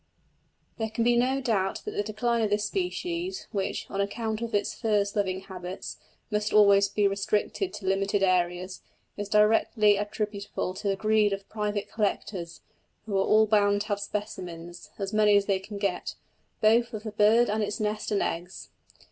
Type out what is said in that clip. There can be no doubt that the decline of this species, which, on account of its furze loving habits, must always be restricted to limited areas, is directly attributable to the greed of private collectors, who are all bound to have specimens as many as they can get both of the bird and its nest and eggs.